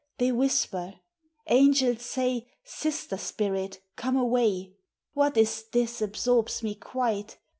they whisper; angels say, Sister spirit, come away ! What is this absorbs me quite?